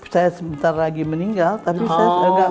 saya sebentar lagi meninggal tapi saya agak